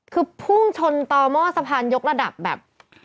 คือพุ่งชนต่อหม้อสะพานยกระดับแบบ